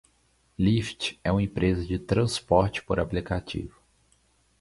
Lyft é uma empresa de transporte por aplicativo.